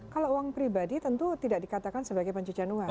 kalau uang pribadi tentu tidak dikatakan sebagai pencucian uang